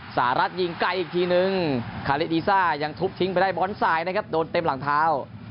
สหรัฐยิงไกลอีกทีนึงคาเลดีซ่ายังทุบทิ้งไปได้บอลสายนะครับโดนเต็มหลังเท้า